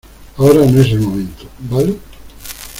ahora no es el momento, ¿ vale?